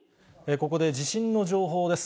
ここで地震の情報です。